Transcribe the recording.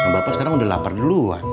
bapak sekarang udah lapar dulu